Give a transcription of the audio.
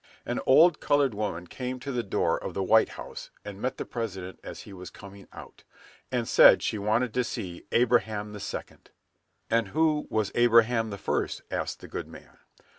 An old colored woman came to the door of the White House and met the President as he was coming out, and said she wanted to see "Abraham the Second." "And who was Abraham the First?" asked the good man.